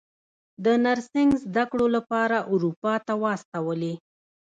د نرسنګ زده کړو لپاره اروپا ته واستولې.